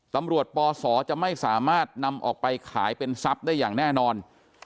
ปศจะไม่สามารถนำออกไปขายเป็นทรัพย์ได้อย่างแน่นอน